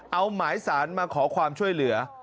เอาหมายสารมาขอความช่วยเหลือ